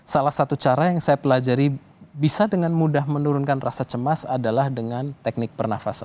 salah satu cara yang saya pelajari bisa dengan mudah menurunkan rasa cemas adalah dengan teknik pernafasan